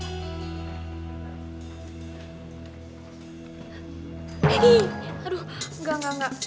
aduh enggak enggak enggak